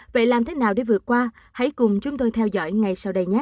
vậy làm thế nào để vượt qua hãy cùng chúng tôi theo dõi ngay sau đây nhé